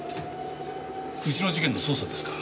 うちの事件の捜査ですか？